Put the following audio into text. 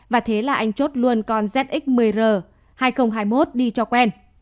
và thế là anh chốt luôn con zx một mươi r hai nghìn hai mươi một đi cho quen